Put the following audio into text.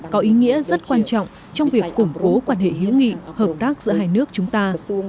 có ý nghĩa rất quan trọng trong việc củng cố quan hệ hữu nghị hợp tác giữa hai nước chúng ta